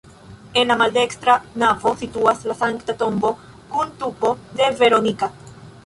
En la maldekstra navo situas la Sankta Tombo kun tuko de Veronika.